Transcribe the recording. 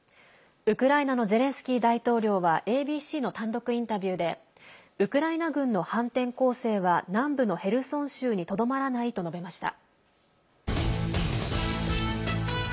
ウクライナのゼレンスキー大統領はＡＢＣの単独インタビューでウクライナ軍の反転攻勢は南部のヘルソン州にとどまらないと述べました。